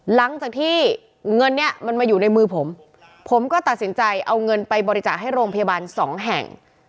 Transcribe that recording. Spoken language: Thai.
หลังจากที่เงินเนี่ยมันมาอยู่ในมือผมผมก็ตัดสินใจเอาเงินไปบริจาคให้โรงพยาบาลสองแห่ง